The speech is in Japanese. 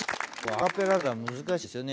アカペラだから難しいですよね